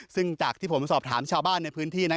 ซึ่งจากที่ผมสอบถามชาวบ้านในพื้นที่นั้น